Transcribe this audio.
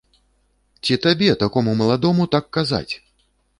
Ці табе, такому маладому, так казаць!